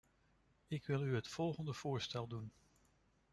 Ik wil u het volgende voorstel doen.